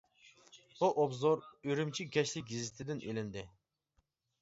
بۇ ئوبزور «ئۈرۈمچى كەچلىك گېزىتى» دىن ئېلىندى.